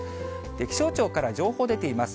気象庁から情報出ています。